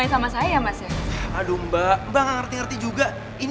ya udah makan dulu deh